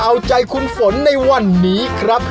เอาใจคุณฝนในวันนี้ครับ